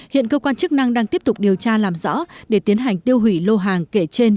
hiện cơ quan chức năng đang tiếp tục điều tra làm rõ để tiến hành tiêu hủy lô hàng kể trên